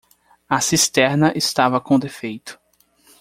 A cisterna estava com defeito.